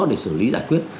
để xử lý giải quyết